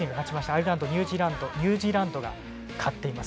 アイルランド、ニュージーランドニュージーランドが勝っています。